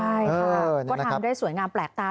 ใช่ค่ะก็ทำได้สวยงามแปลกตา